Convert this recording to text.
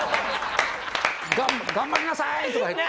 頑張りなさい！とか言って。